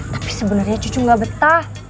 tapi sebenernya cucu gak betah